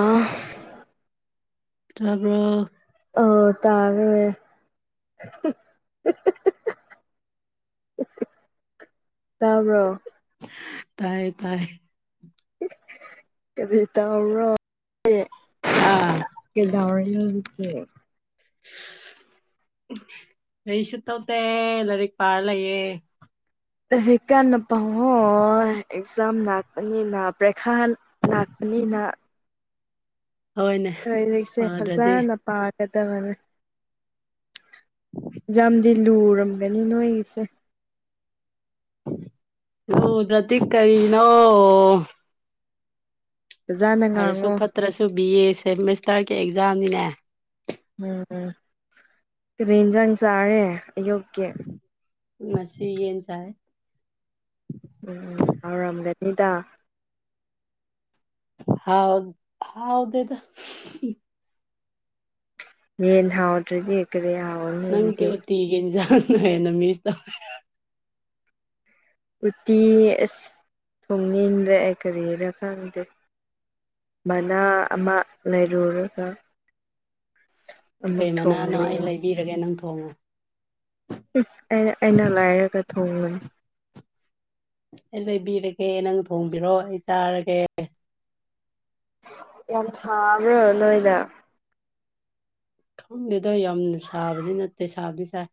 ꯑꯥ ꯇꯥꯕ꯭ꯔ‌ꯣ ꯑꯣ ꯇꯥꯔꯦ [unintelligible] ꯇꯥꯕ꯭ꯔꯣ ꯇꯥꯏꯌꯦ ꯇꯥꯏ ꯀꯔꯤ ꯇꯧꯋ꯭ꯔꯣ [unintelligible] ꯑꯥ ꯀ‌ꯦꯗꯥꯎꯔꯤꯅ‌ꯣ ꯍꯧꯖꯤꯛꯁ‌ꯦ ꯀꯔꯤꯁꯨ ꯇꯧꯇꯦ ꯂꯥꯏꯔꯤꯛ ꯄꯥꯔ ꯂꯩꯌꯦ ꯂꯩꯔꯤꯛ ꯀꯥꯟꯅ ꯄꯥꯎ ꯍ‌ꯣꯏ ꯑꯦꯛꯖꯥꯝ ꯅꯥꯛꯄꯅꯤꯅ ꯄ꯭ꯔ‌ꯦꯈꯥ ꯅꯥꯛꯄꯅꯤꯅ ꯍꯣꯏꯅꯦ ꯂꯥꯏꯂꯤꯛꯁꯦ ꯄꯥꯗ꯭ꯔꯗꯤ ꯐꯖꯅ ꯄꯥꯒꯗꯕꯅꯦ ꯌꯥꯝꯗꯤ ꯂꯨꯔꯝꯒꯅꯤ ꯅꯣꯏꯒꯤꯁꯦ ꯂꯨꯗ꯭ꯔꯗꯤ ꯀꯩꯔꯤꯅꯣ ꯐꯖꯅ ꯐꯔꯁꯨ ꯉꯥꯡꯉꯣ ꯐꯠꯇ꯭ꯔꯁꯨ ꯕꯤ ꯑꯦ ꯁꯦꯃꯤꯁꯇꯔꯒꯤ ꯑꯦꯛꯖꯥꯝꯅꯤꯅꯦ ꯎꯝ ꯎꯝ ꯀꯔꯤ ꯏꯟꯖꯥꯡ ꯆꯥꯔꯦ ꯑꯌꯨꯛꯀꯤ ꯉꯁꯤ ꯌꯦꯟ ꯆꯥꯏ ꯎꯝ ꯍꯥꯎꯔꯝꯒꯅꯤꯗ ꯍꯥꯎ ꯍꯥꯎꯗꯦꯗ ꯌꯦꯟ ꯍꯥꯎꯗ꯭ꯔꯗꯤ ꯀꯔꯤ ꯍꯥꯎꯔꯅꯤ ꯑꯗꯨꯗꯤ ꯏ ꯍꯦꯟꯖꯥꯡꯅ ꯍꯦꯟꯅ ꯃꯤꯁ ꯇꯧꯋꯦ [unintelligible] ꯎꯇꯤ ꯑꯁ ꯊꯣꯡꯅꯤꯟꯗ꯭ꯔꯦ ꯑꯩ ꯀꯔꯤꯔꯥ ꯈꯪꯗꯦ ꯃꯅꯥ ꯑꯃ ꯂꯩꯔꯨꯔꯒ ꯑꯃꯨꯛ ꯊꯣꯡꯗꯣꯏꯅꯤ ꯄꯤꯔꯒꯦ ꯅꯪ ꯊꯣꯡꯉꯣ ꯍꯨꯝ ꯑꯩꯅ ꯂꯥꯏꯔꯒ ꯊꯣꯡꯕꯅꯤ ꯑꯩ ꯂꯩꯕꯤꯔꯒꯦ ꯅꯪ ꯊꯣꯡꯕꯤꯔꯣ ꯑꯩ ꯆꯥꯔꯒꯦ ꯌꯥꯝ ꯁꯥꯕ꯭ꯔꯣ ꯅꯣꯏꯅ ꯊꯨꯝꯗꯦꯗꯥ ꯌꯥꯝꯅ ꯁꯥꯕꯗꯤ ꯅꯠꯇꯦ ꯁꯥꯕꯗꯤ ꯁꯥꯏ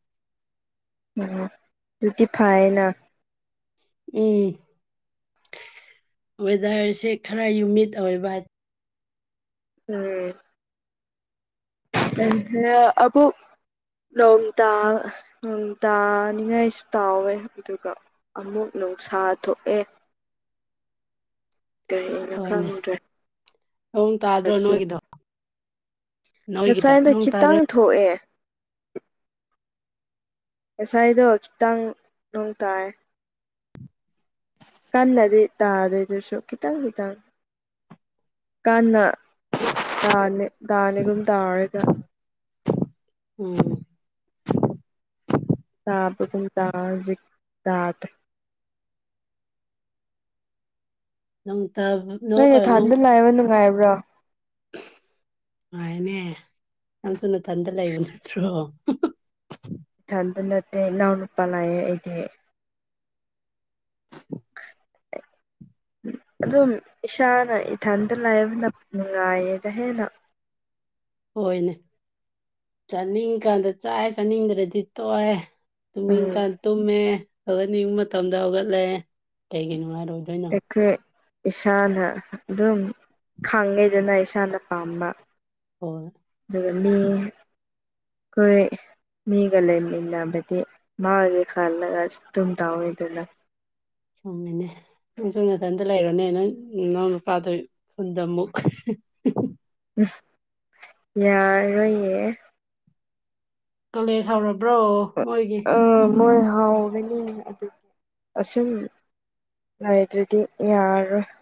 ꯎꯝ ꯑꯗꯨꯗꯤ ꯐꯥꯏꯅꯥ ꯎꯝ ꯋꯦꯗꯔꯁꯦ ꯈꯔ ꯌꯨꯃꯤꯠ ꯑꯣꯏꯕ ꯎꯝ ꯑꯕꯨ ꯂꯣꯡꯇꯥ ꯅꯣꯡꯇꯥꯅꯤꯡꯉꯥꯏꯁꯨ ꯇꯥꯎꯋꯦ ꯑꯗꯨꯒ ꯑꯃꯨꯛ ꯅꯨꯡꯁꯥ ꯊꯣꯛꯑꯦ ꯀꯔꯤꯅꯣ ꯍꯣꯏꯅꯦ ꯈꯪꯗ꯭ꯔꯦ ꯅꯣꯡ ꯇꯥꯗ꯭ꯔꯣ ꯉꯁꯤ ꯅꯣꯏꯒꯤꯗꯣ ꯅꯣꯏꯒꯤꯗ ꯉꯁꯥꯏꯗꯣ ꯅꯣꯡ ꯇꯥꯗ꯭ꯔꯣ ꯈꯤꯇꯪ ꯊꯣꯛꯑꯦ ꯉꯁꯥꯏꯗꯣ ꯈꯤꯇꯪ ꯅꯣꯡ ꯇꯥꯏꯌꯦ ꯀꯟꯅꯗꯤ ꯇꯥꯗꯦ ꯑꯗꯨꯁꯨ ꯈꯤꯇꯪ ꯈꯤꯇꯪ ꯀꯥꯟꯅ ꯇꯥꯅꯤꯒꯨꯝ ꯇꯥꯔꯧꯔꯒꯥ ꯎꯝ ꯇꯥꯕꯒꯨꯝ ꯇꯧꯔꯦ ꯍꯧꯖꯤꯛ ꯇꯥꯗꯦ [unintelligible] ꯅꯣꯏꯅꯦ ꯊꯥꯟꯗ ꯂꯩꯕꯥ ꯅꯨꯡꯉꯥꯏꯕ꯭ꯔꯣ ꯅꯨꯉꯥꯏꯅꯦ ꯅꯪꯁꯨꯨ ꯅꯊꯥꯟꯇꯥ ꯂꯩꯕ ꯅꯠꯇ꯭ꯔꯣ ꯏꯊꯟꯗ ꯅꯠꯇꯦ ꯏꯅꯥꯎ ꯅꯨꯨꯄꯥ ꯂꯩꯌꯦ ꯑꯩꯗꯤ [unintelligible] ꯑꯗꯨꯝ ꯏꯁꯥꯅ ꯏꯊꯟꯇꯥ ꯂꯥꯏꯕꯅ ꯅꯨꯡꯉꯥꯏꯌꯦꯗ ꯍꯦꯟꯅ ꯍꯣꯏꯅꯦ ꯆꯥꯅꯤꯡꯀꯥꯟꯗ ꯆꯥꯏ ꯆꯥꯅꯤꯡꯗ꯭ꯔꯗꯤ ꯇꯣꯛꯑꯦ ꯎꯝ ꯇꯨꯝꯅꯤꯡꯀꯥꯟ ꯇꯨꯝꯃꯦ ꯍꯧꯒꯠꯅꯤꯡꯕ ꯃꯇꯝꯗ ꯍꯧꯒꯠꯂꯦ ꯀꯩꯒꯤ ꯅꯨꯡꯉꯥꯏꯔꯣꯏꯗꯣꯏꯅꯣ ꯏꯁꯥꯅ ꯑꯗꯨꯝ ꯈꯥꯡꯉꯦꯗꯅ ꯏꯁꯥꯅ ꯄꯥꯝꯕ ꯍꯣꯏ [unintelligible] ꯃꯤꯒ ꯂꯩꯃꯤꯟꯅꯕꯗꯤ ꯃꯥꯒꯤ ꯈꯜꯂꯒ ꯑꯗꯨꯨꯝ ꯇꯧꯔꯤꯗꯨꯗꯤ ꯆꯨꯝꯃꯤꯅꯦ ꯅꯪ ꯅꯥꯊꯟꯇ ꯂꯩꯔꯣꯅꯦ ꯅꯪ ꯅꯅꯥꯎ ꯅꯨꯄꯥꯗꯨ ꯈꯨꯟꯗ ꯑꯃꯨꯛ ꯎꯝ ꯌꯥꯔꯣꯏꯌꯦ ꯀꯣꯂꯦꯖ ꯍꯧꯔꯕ꯭ꯔꯣ ꯃꯣꯏꯒꯤ ꯑ ꯃꯣꯏ ꯍꯥꯎꯒꯅꯤ ꯑꯁꯨꯝ [unintelligible]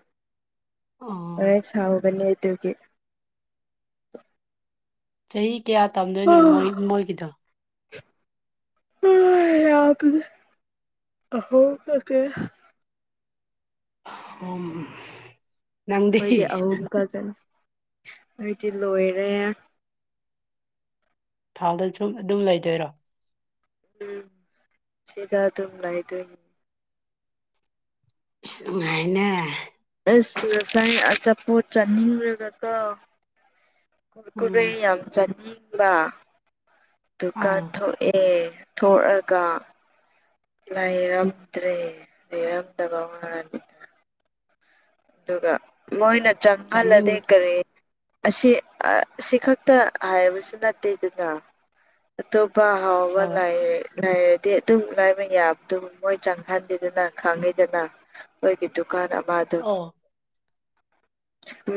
ꯑꯥ ꯍꯣꯔꯦꯟ ꯁꯥꯎꯕꯅꯦ ꯑꯗꯨꯒꯤ ꯆꯍꯤ ꯀꯌꯥ ꯇꯝꯗꯣꯏꯅꯣ ꯑꯍꯨꯝ ꯃꯣꯏꯒꯤꯗꯣ [unintelligible] ꯑꯍꯨꯝ ꯑꯈꯣꯏꯗꯤ ꯑꯍꯨꯝ ꯈꯛꯇꯥꯅꯤ ꯅꯣꯏꯗꯤ ꯂꯣꯏꯔꯦ ꯐꯥꯜꯗꯥ ꯁꯨꯝ ꯑꯗꯨꯝ ꯂꯩꯗꯣꯏꯔꯣ ꯎꯝ ꯁꯤꯗ ꯑꯗꯨꯝ ꯂꯩꯗꯣꯏꯅꯦ ꯅꯨꯉꯥꯏꯅꯦ ꯑꯁ ꯉꯁꯥꯏ ꯑꯆꯥꯄꯣꯠ ꯆꯥꯅꯤꯡꯔꯥꯒꯀꯣ ꯈꯨꯨꯔꯀꯨꯔꯩ ꯎꯝ ꯌꯥꯝ ꯆꯥꯅꯤꯡꯕ ꯗꯨꯀꯥꯟ ꯑꯥ ꯊꯣꯛꯑꯦ ꯊꯣꯛꯑꯒ ꯂꯩꯔꯝꯗ꯭ꯔꯦ ꯂꯩꯔꯝꯗꯕ ꯃꯥꯗ ꯑꯗꯨꯒ ꯃꯣꯏꯅ ꯆꯥꯅꯤꯡ ꯆꯪꯍꯜꯂꯗꯤ ꯀꯔꯤ ꯑꯁꯤ ꯑꯁꯤ ꯈꯛꯇ ꯍꯥꯏꯕꯁꯨ ꯅꯠꯇꯦ ꯑꯗꯨꯅ ꯇꯣꯄ ꯍꯥꯎꯕ ꯍꯣꯏ ꯂꯥꯏ ꯂꯩꯥꯏꯔꯗꯤ ꯑꯗꯨ ꯂꯥꯏꯕ ꯌꯥꯕꯗꯨ ꯃꯣꯏ ꯆꯪꯍꯟꯗꯦꯗꯅ ꯈꯪꯉꯤꯗꯅ ꯃꯣꯏꯒꯤ ꯗꯨꯀꯥꯟ ꯑꯃꯥꯗ ꯑꯣ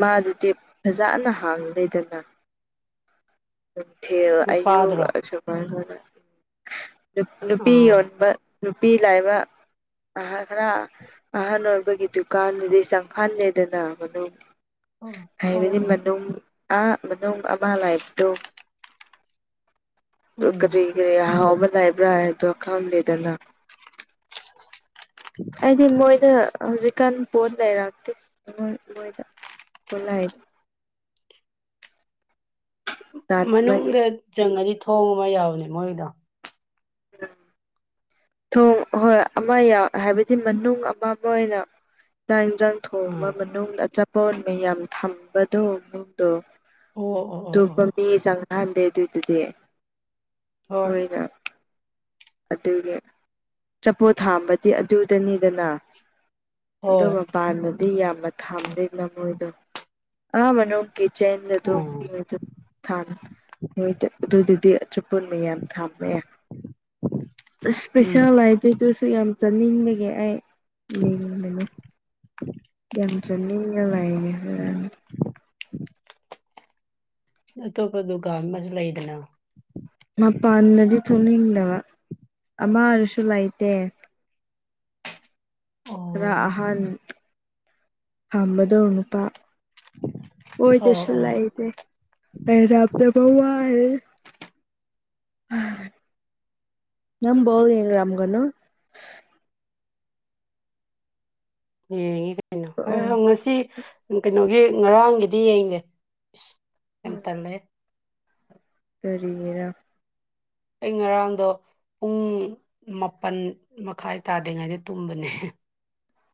ꯃꯥꯗꯨꯗꯤ ꯐꯖꯅ ꯍꯥꯡꯗꯦꯗꯅ ꯅꯨꯡꯊꯤꯜ ꯑꯌꯨꯛ ꯅꯨꯄꯥꯗꯨꯔꯣ ꯑꯁꯨꯃꯥꯏꯅ ꯅꯨꯄꯤ ꯑꯥ ꯌꯣꯟꯕ ꯅꯨꯄꯤ ꯂꯥꯏꯕ ꯑ ꯈꯔ ꯑꯍꯟ ꯑꯣꯏꯕꯒꯤ ꯗꯨꯀꯥꯟꯗꯨꯗꯤ ꯆꯪꯐꯟꯅꯤꯦꯗꯅ ꯃꯅꯨꯡ ꯑꯣ ꯑꯣ ꯍꯥꯏꯕꯗꯤ ꯑꯣ ꯃꯅꯨꯡ ꯃꯅꯨꯡ ꯑꯃ ꯂꯥꯏꯕꯗꯣ ꯎꯝ ꯀꯔꯤ ꯀꯔꯤ ꯑꯍꯥꯎꯕ ꯂꯩꯕ꯭ꯔꯥ ꯍꯥꯏꯗꯣ ꯈꯂꯦꯗꯅ [inaudible] ꯍꯥꯏꯗꯤ ꯃꯣꯏꯗ ꯍꯧꯖꯤꯛꯀꯥꯟ ꯄꯣꯠ ꯂꯩꯔꯛꯇꯦ ꯃꯣꯏꯗ ꯄꯣꯠꯂꯗꯤ ꯇꯥꯟꯕꯒꯤ ꯃꯅꯨꯡꯗ ꯆꯪꯉꯗꯤ ꯊꯣꯡꯕ ꯑꯃ ꯌꯥꯎꯕꯅꯦ ꯃꯣꯏꯒꯤꯗꯣ ꯎꯝ ꯊꯣꯡ ꯍꯣꯏ ꯑꯃ ꯍꯥꯏꯕꯗꯤ ꯃꯅꯨꯡ ꯑꯃ ꯑꯃ ꯑꯣꯏꯅ ꯆꯥꯡꯟꯖꯪ ꯊꯣꯡꯕ ꯑꯥ ꯃꯅꯨꯡ ꯑꯆꯥꯄꯣꯣꯟ ꯃꯌꯥꯝ ꯊꯝꯕꯗꯨꯣ ꯑꯣ ꯑꯣ ꯑꯣ ꯑꯣ ꯑꯇꯣꯞꯄ ꯑꯣ ꯃꯤ ꯆꯪꯅꯍꯟꯗꯦ ꯑꯗꯨꯏꯗꯨꯗꯤ ꯍꯣꯏ ꯃꯣꯏꯅ ꯑꯗꯨꯒꯤ ꯆꯄꯣꯠ ꯊꯥꯝꯕꯗꯤ ꯑꯗꯨꯗꯅꯤꯗꯅ ꯍꯣꯏ ꯑꯗꯨꯒ ꯄꯥꯟꯕꯗꯤ ꯌꯥꯝꯅ ꯊꯥꯝꯗꯦꯅ ꯃꯣꯏꯗꯣ ꯑꯝꯕꯅꯨ ꯀꯤꯆꯦꯟ ꯑꯗꯨ ꯎꯝ ꯊ ꯑꯗꯨꯗꯗꯤ ꯑꯆꯄꯣꯜ ꯃꯌꯥꯝ ꯊꯝꯃꯦ ꯎꯝ ꯏꯁꯄꯦꯁꯜ ꯥꯏꯗ ꯇꯨꯁꯨ ꯌꯥꯝ ꯆꯠꯅꯤꯡꯕꯒꯦ ꯑꯩ ꯌꯦꯅꯤꯡꯕꯅꯦ ꯌꯥꯝ ꯆꯠꯅꯤꯡꯉ ꯂꯥꯏꯦ ꯍꯥꯏꯅ [inaudible] ꯑꯇꯣꯞꯄ ꯗꯨꯀꯥꯟ ꯑꯃꯁꯁꯨ ꯂꯩꯗꯅ ꯃꯄꯥꯟꯗꯗꯤ ꯊꯣꯛꯅꯤꯡꯗꯕ ꯑꯃꯔꯁꯨ ꯂꯩꯇꯦ ꯑꯣ ꯈꯔ ꯑꯍꯥꯟ ꯍꯝꯕꯗꯧ ꯅꯨꯄꯥ ꯑꯣꯏꯣꯏ ꯇ ꯑꯣ ꯑꯣ ꯁꯂꯍꯤꯗ ꯄꯦꯔꯗ ꯐꯧꯎꯔ ꯅꯪꯕꯥꯎ ꯌꯦ ꯔꯝꯒꯅ ꯌꯦꯡꯉ ꯀꯩꯅꯣ ꯑꯣ ꯉꯁꯤ ꯀꯩꯅꯣꯒꯤ ꯉꯔꯥꯡꯒꯤꯗꯤ ꯌꯦꯡꯉꯦ ꯌꯥꯝ ꯇꯜꯂꯦ ꯇꯔꯤꯒꯤꯔ ꯑꯩ ꯉꯔꯥꯡꯗꯣ ꯄꯨꯡ ꯃꯥꯄꯟ ꯃꯈꯥꯏ ꯇꯥꯗ꯭ꯔꯤꯉꯩꯗ ꯇꯨꯝꯕꯅꯦ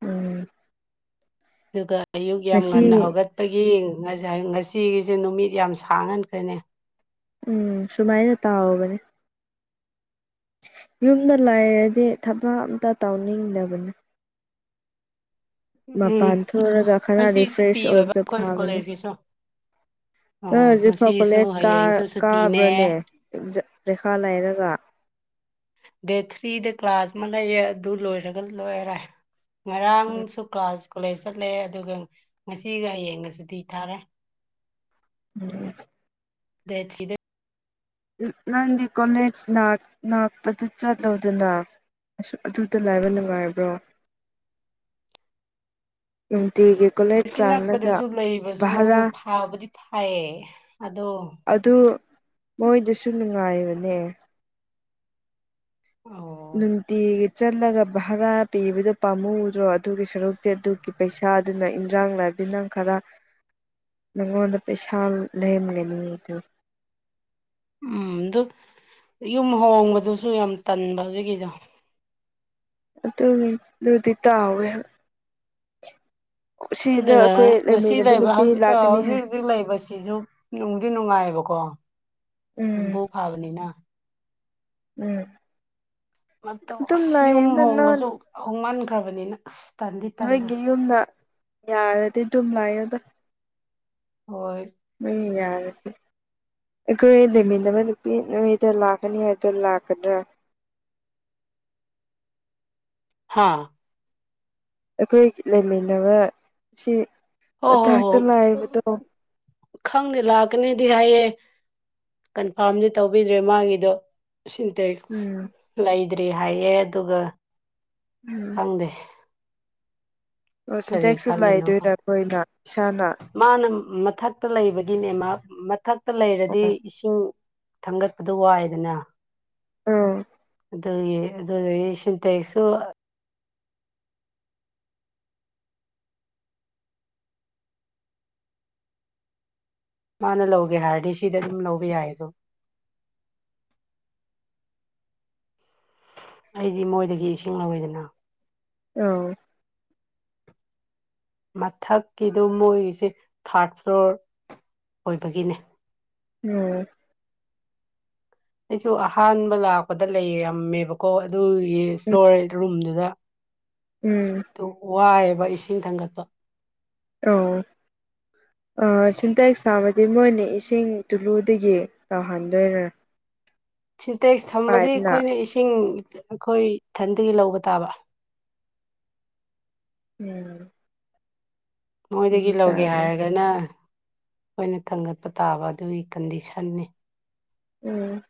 ꯎꯝ ꯑꯗꯨꯒ ꯑꯌꯨꯛ ꯌꯥꯝ ꯉꯟꯅ ꯉꯁꯤ ꯍꯧꯒꯠ ꯑꯒꯤ ꯉꯥꯏ ꯉꯁꯤꯒꯤꯁꯦ ꯅꯨꯃꯤꯠ ꯌꯥꯝ ꯁꯥꯡꯍꯟꯈ꯭ꯔꯦꯅꯦ ꯎꯝ ꯁꯨꯃꯥꯏꯅ ꯇꯥꯍꯧꯕꯅꯦ ꯌꯨꯝꯗ ꯂꯥꯏꯔꯗꯤ ꯊꯕꯛ ꯑꯃꯝꯇ ꯇꯧꯅꯤꯡꯗꯕꯅꯤ ꯎꯝ ꯃꯄꯥꯟ ꯊꯣꯛꯔꯒ ꯈꯔ ꯉꯁꯤ ꯁꯨꯇꯤ ꯔꯤꯐ꯭ꯔꯦꯁ ꯑꯣꯏꯕ ꯑꯣꯏꯕꯗ ꯑꯩꯈꯣꯏ ꯐꯥꯕꯅꯦ ꯀꯣꯂꯦꯖꯀꯤꯁꯨ ꯑ ꯑꯣ ꯍꯧꯖꯤꯛꯐ ꯉꯁꯤꯁꯨ ꯀꯣꯂꯦꯖ ꯍꯌꯦꯡꯁꯨ ꯁꯨꯇꯤꯅꯦ ꯀꯥꯕ꯭ꯔꯅꯦ ꯔꯦꯈꯥ ꯂꯥꯏꯔꯒ ꯗꯦꯠ ꯊ꯭ꯔꯤꯗ ꯀ꯭ꯂꯥꯁ ꯑꯃ ꯂꯩꯌꯦꯦ ꯑꯗꯨ ꯂꯣꯏꯔꯒ ꯂꯣꯏꯔꯦ ꯉꯔꯥꯡꯁꯨ ꯀ꯭ꯂꯥꯁ ꯀꯣꯂꯦꯖ ꯆꯠꯂꯦ ꯑꯗꯨꯒ ꯉꯁꯤꯒ ꯌꯦꯡꯉꯁꯨꯗꯤ ꯊꯥꯔꯦ ꯎꯝ ꯗꯁꯤꯗ ꯅꯪꯒꯤ ꯀꯣꯂꯦꯖ ꯉꯥꯛꯄꯗ ꯆꯠꯂꯣꯗꯅ ꯑ ꯑꯗꯨꯗ ꯂꯥꯏꯕ ꯅꯨꯡꯉꯥꯏꯕ꯭ꯔꯣ [inaudible] ꯏꯝꯤꯦ ꯀꯂꯦ ꯄꯨꯁꯀꯤ ꯅꯛꯄꯗꯁꯨ ꯂꯩꯕꯁꯨ ꯐꯥꯕꯗꯤ ꯊꯥꯏꯌꯦ ꯑꯗꯣ ꯑꯗꯨ ꯃꯣꯏꯗꯁꯨ ꯅꯨꯡꯉꯥꯏꯕꯅꯦ ꯑꯣ ꯅꯨꯡꯗꯤ ꯆꯠꯂꯒ ꯚꯔꯥ ꯄꯤꯕꯗꯣ ꯄꯥꯝꯍꯧꯗ꯭ꯔꯣ ꯑꯗꯨꯒꯤ ꯁꯔꯨꯛꯇꯤ ꯑꯗꯨꯒꯤ ꯄꯩꯁꯥꯗꯨꯅ ꯏꯟꯖꯥꯡ ꯂꯥꯛ ꯑ ꯅꯪ ꯈꯔ [inaudible] ꯒꯋꯥꯗ ꯄꯦꯁꯥꯜ ꯂꯩꯦꯦꯝꯒꯅꯤꯗ ꯎꯝ ꯑꯗꯨ ꯌꯨꯝ ꯍꯣꯡꯕꯗꯨꯁꯨ ꯌꯥꯝ ꯇꯟꯕ ꯍꯧꯖꯤꯛꯀꯤꯗꯣ ꯑꯗꯨꯅꯤ ꯑꯗꯨꯗꯤ ꯇꯥꯎꯋꯦ ꯁꯤꯗ ꯑꯗꯨꯒ ꯑꯩꯈꯣꯏ ꯉꯁꯤ ꯂꯩꯃꯤꯟꯅꯕ ꯂꯩꯕ ꯅꯨꯄꯤ ꯍꯧꯖꯤꯛ ꯂꯥꯛꯀꯅꯤ ꯍꯥꯏ ꯍꯧꯖꯤꯛ ꯍꯧꯖꯤꯛ ꯂꯩꯕꯁꯤꯁꯨ ꯅꯨꯡꯗꯤ ꯅꯨꯡꯉꯥꯏꯑꯕꯀꯣ ꯎꯝ ꯌꯨꯝꯕꯨ ꯐꯥꯕꯅꯤꯅ ꯎꯝ ꯃꯇꯧ ꯑꯗꯨꯝ ꯑꯁ ꯌꯨꯝ ꯂꯥꯛꯗ ꯅꯪ ꯍꯣꯡꯕꯁꯨ ꯍꯣꯡꯃꯟꯈ꯭ꯔꯕꯅꯤꯅ ꯑꯁ ꯇꯟꯗꯤ ꯇꯜꯂꯦ ꯅꯣꯏꯒꯤ ꯌꯨꯝꯗ ꯌꯥꯔꯗꯤ ꯑꯗꯨꯝ ꯂꯥꯛꯌꯣꯗ ꯍ ꯃꯣꯏ ꯌꯥꯔꯗꯤꯦ ꯑꯩꯈꯣꯏ ꯂꯩꯃꯤꯟꯅꯕ ꯅꯨꯄꯤ ꯅꯣꯏꯗ ꯂꯥꯛꯀꯅꯤ ꯍꯥꯏꯕꯗꯣ ꯂꯥꯛꯀꯗ꯭ꯔꯥ ꯍꯥꯥ ꯑꯩꯈꯣꯏ ꯂꯩꯃꯤꯟꯅꯕ ꯑꯁꯤ ꯍꯣ ꯍꯣ ꯍꯣ ꯃꯊꯥꯛꯇ ꯂꯥꯏꯕꯗꯣ ꯈꯪꯗꯦ ꯂꯥꯛꯀꯅꯦꯗꯤ ꯍꯥꯏꯌꯦ ꯀꯟꯐꯥꯔꯝꯗꯤ ꯇꯧꯕꯤꯗ꯭ꯔꯦ ꯃꯥꯒꯤꯗꯣ ꯁꯤꯟꯇ ꯎꯝ ꯂꯩꯗ꯭ꯔꯤ ꯍꯥꯏꯌꯦ ꯑꯗꯨꯒ ꯎꯝ ꯐꯪꯗꯦ ꯑꯣ ꯁꯤꯟꯇꯦꯛꯁꯨ ꯈꯜꯂꯤꯅꯣ ꯈꯪ ꯂꯥꯛꯏꯗꯣꯏꯔꯥ ꯑꯩꯈꯣꯏꯅ ꯏꯁꯥꯅ ꯃꯥꯅ ꯃꯊꯛꯇ ꯂꯩꯕꯒꯤꯅꯦ ꯃꯥ ꯃꯊꯛꯇ ꯂꯩꯔꯗꯤ ꯑꯣ ꯏꯁꯤꯡ ꯊꯥꯡꯒꯠꯄꯗꯣ ꯋꯥꯏꯗꯅ ꯑꯥ ꯑꯗꯨꯒꯤ ꯑꯗꯨꯗꯒꯤ ꯁꯤꯟꯇꯦꯛꯁꯨ ꯃꯥꯅ ꯂꯧꯒꯦ ꯍꯥꯏꯔꯗꯤ ꯁꯤꯗ ꯑꯗꯨꯝ ꯂꯧꯕ ꯌꯥꯏ ꯑꯗꯣ ꯑꯩꯗꯤ ꯃꯣꯏꯗꯒꯤ ꯏꯁꯤꯡ ꯂꯧꯋꯤꯗꯅ ꯑ ꯃꯊꯛꯀꯤꯗꯣ ꯃꯣꯏꯁꯦ ꯊꯥꯔꯠ ꯐ꯭ꯂꯣꯔ ꯑꯣꯏꯕꯒꯤꯅꯦ ꯎꯝ ꯑꯩꯁꯨ ꯑꯍꯥꯟꯕ ꯂꯥꯛꯄꯗ ꯂꯩꯔꯝꯃꯦꯕꯀꯣ ꯑꯗꯨꯒꯤ ꯐ꯭ꯂꯣꯔ ꯔꯨꯝꯗꯨꯗ ꯎꯝ ꯑꯗꯨ ꯋꯥꯏꯑꯦꯕ ꯏꯁꯤꯡ ꯊꯥꯡꯒꯠꯄ ꯑ ꯑ ꯁꯤꯟꯇꯦꯛ ꯆꯥꯕꯗꯤ ꯃꯣꯏꯅ ꯏꯁꯤꯡ ꯇꯨꯂꯨꯗꯒꯤ ꯇꯧꯍꯟꯗꯣꯏꯔꯔꯥ ꯁꯤꯟꯇꯦꯛꯁ ꯊꯝꯕꯗꯤ ꯑꯩꯈꯣꯏꯅ ꯏꯁꯤꯡ ꯑꯩꯈꯣꯏ ꯏꯊꯟꯗꯒꯤ ꯂꯧꯕ ꯇꯥꯕ ꯎꯝ ꯃꯣꯏꯗꯒꯤ ꯍꯧꯖꯤꯛ ꯂꯧꯒꯦ ꯇꯥꯕꯅꯦ ꯍꯥꯏꯔꯒꯅ ꯑꯩꯣꯏꯅ ꯊꯥꯡꯒꯠꯄ ꯇꯥꯕ ꯑꯗꯨꯒꯤ ꯀꯟꯗꯤꯁꯟꯅꯤ ꯎꯝ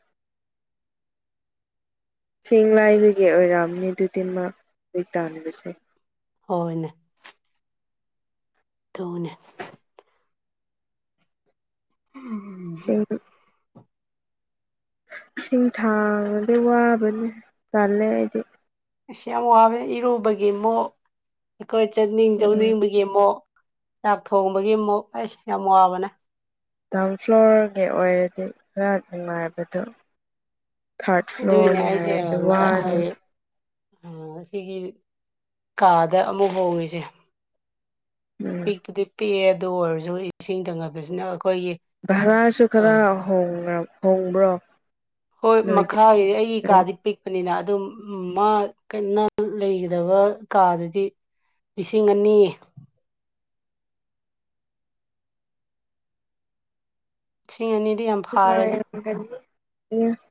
ꯆꯁꯤꯡ ꯂꯥꯏꯕꯒꯤ ꯑꯣꯏꯔꯛꯑꯝꯃꯤ ꯑꯗꯨꯗꯤ ꯃꯥ ꯍꯧꯖꯤ ꯇꯥꯟꯥꯟꯕꯁꯦ ꯍꯣꯏꯅꯦ ꯇꯅꯦ ꯁꯤ ꯏꯁꯤꯡ ꯊꯥꯡꯉꯗꯤ ꯋꯥꯕꯅꯦ ꯇꯜꯂꯦ ꯑꯩꯗꯤ ꯏꯁ ꯌꯥꯝ ꯋꯥꯕꯅ ꯏꯔꯨꯕꯒꯤ ꯑꯃꯨꯛ ꯑꯩꯈꯣꯏ ꯆꯠꯅꯤꯡ ꯎꯝ ꯆꯧꯅꯤꯡꯕꯒꯤ ꯒꯤ ꯑꯃꯨꯛ ꯆꯥꯛ ꯊꯣꯡꯕꯒꯤ ꯑꯃꯨꯛ ꯑꯩꯁ ꯌꯥꯝ ꯋꯥꯕꯅꯦ ꯗꯥꯎꯟ ꯐ꯭ꯂꯣꯔꯒꯤ ꯑꯣꯏꯔꯗꯤ ꯈꯔ ꯅꯨꯡꯉꯥꯏꯕꯗꯣ ꯊꯔꯗ ꯑꯗꯨꯏꯅꯦ ꯐ꯭ꯂꯣꯔꯅꯦ ꯍꯥꯏꯔꯗꯤ ꯋꯥꯅꯤ ꯑꯣ ꯑꯁꯤꯒꯤ ꯀꯥꯗ ꯑꯃꯨꯛ ꯍꯣꯡꯉꯤꯁꯦ ꯎꯝ ꯄꯤꯛꯇꯤ ꯄꯤꯛꯑꯦ ꯑꯗꯨ ꯑꯣꯏꯔꯁꯨ ꯏꯁꯤꯡ ꯊꯥꯡꯒꯠꯄꯁꯤꯅ ꯑꯩꯈꯣꯏꯒꯤ ꯚꯔꯥꯁꯨ ꯈꯔ ꯍꯣꯡꯅ ꯍꯣꯡꯕ꯭ꯔꯣ ꯍꯣꯏ ꯅꯣꯏꯗꯤ ꯃꯈꯥꯒꯤ ꯑꯩꯒꯤ ꯀꯥꯗꯤ ꯄꯤꯛꯄꯅꯤꯅ ꯑꯗꯨꯝ ꯃꯥ ꯅꯪ ꯂꯩꯒꯗꯕ ꯀꯥꯗꯨꯗꯤ ꯂꯤꯁꯤꯡ ꯑꯅꯤ ꯂꯤꯁꯤꯡ ꯑꯅꯤꯗꯤ ꯌꯥꯝ ꯐꯥꯔꯦꯗ [unintelligible]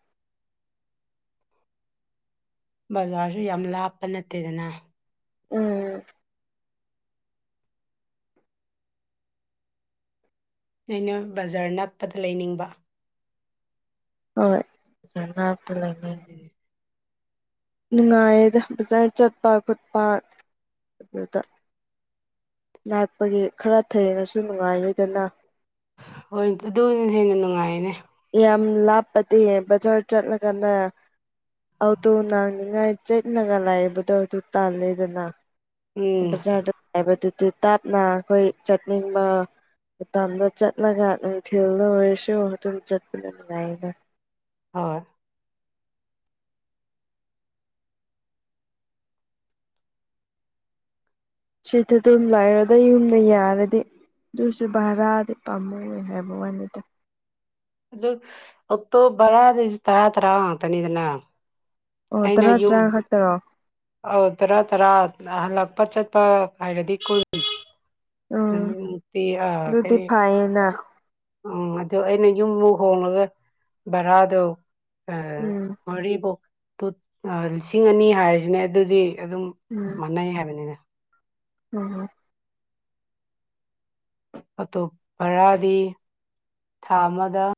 ꯕꯖꯥꯔꯁꯨ ꯌꯥꯝ ꯂꯥꯞꯄ ꯅꯠꯇꯦꯗꯅ ꯎꯝ ꯑꯩꯅ ꯕꯖꯥꯔ ꯅꯛꯄꯗ ꯂꯩꯅꯤꯡꯕ ꯍꯣꯏ [unintelligible] ꯂꯩꯅꯤꯡ ꯑꯗꯨꯒꯤꯅꯦ꯫ ꯅꯨꯡꯉꯥꯏꯌꯦꯗ ꯕꯖꯥꯔ ꯆꯠꯄ ꯈꯣꯠꯄ ꯑꯗꯨꯗ ꯅꯛꯄꯒꯤ ꯈꯔ ꯊꯦꯡꯉꯁꯨ ꯅꯨꯡꯉꯥꯏꯌꯦꯗꯅ ꯍꯣꯏ ꯑꯗꯨꯅ ꯍꯦꯟꯅ ꯅꯨꯡꯉꯥꯏꯅꯦ ꯌꯥꯝ ꯂꯥꯞꯄꯗꯤ ꯕꯖꯥꯔ ꯆꯠꯂꯒꯅꯦ ꯑꯣꯛꯇꯣ ꯅꯅꯪꯅꯤꯡꯉꯥꯏ ꯆꯠꯂꯒ ꯂꯩꯕꯗꯣ ꯑꯗꯨ ꯇꯜꯂꯤꯗꯅ ꯎꯝ ꯕꯖꯥꯔꯗ ꯍꯥꯏꯕꯗꯨꯗꯤ ꯇꯞꯅ ꯑꯩꯈꯣꯏ ꯆꯠꯅꯤꯡꯕ ꯇꯞꯅ ꯆꯠꯂꯒ ꯅꯨꯡꯊꯤꯜꯗ ꯑꯣꯏꯔꯁꯨ ꯑꯗꯨꯝ ꯆꯠꯄꯅ ꯅꯨꯡꯉꯥꯏꯌꯦꯕ ꯍꯣꯏ ꯁꯤꯗ ꯗꯨꯝ ꯂꯩꯔꯣꯗ ꯌꯨꯝꯅ ꯌꯥꯔꯗꯤ ꯑꯗꯨꯁꯨ ꯚꯔꯥꯗꯤ ꯄꯥꯝꯃꯨꯢ ꯍꯥꯏꯕ ꯋꯥꯅꯤꯗꯥ ꯑꯗꯣ ꯑꯣꯛꯇꯣ ꯚꯔꯥꯗꯤ ꯇꯔꯥ ꯇꯔꯥ ꯉꯥꯛꯇꯅꯤꯗꯅ ꯑꯣ ꯑꯩꯅ ꯇꯔꯥ ꯌꯨꯝ ꯇꯔꯥ ꯈꯛꯇꯔꯣ ꯑꯧ ꯇꯔꯥ ꯇꯔꯥ ꯍꯜꯂꯛꯄ ꯆꯠꯄ ꯉꯥꯏꯔꯗꯤ ꯀꯨꯟ [unintelligible] ꯎꯝ ꯑꯗꯨꯗꯤ ꯐꯩꯌꯦꯅ ꯎꯝ ꯑꯗꯣ ꯑꯩꯅ ꯌꯨꯝꯃꯨꯛ ꯍꯣꯡꯂꯒ ꯚꯔꯥꯗꯣ ꯑꯥ ꯎꯝ ꯃꯔꯤꯕꯨꯛ ꯂꯤꯁꯤꯡ ꯑꯅꯤ ꯍꯥꯏꯔꯁꯤꯅꯦ ꯑꯗꯨꯗꯤ ꯑꯗꯨꯝ ꯎꯝ ꯃꯥꯟꯅꯩ ꯍꯥꯏꯕꯅꯤꯅꯦ ꯎꯝ ꯑꯇꯣꯞ ꯚꯔꯥꯗꯤ ꯊꯥ ꯑꯃꯗ